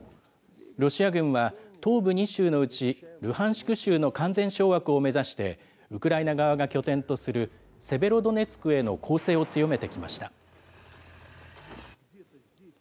ロシア軍は東部２州のうちルハンシク州の完全掌握を目指して、ウクライナ側が拠点とするセベロドネツクへの攻勢を強めてきました。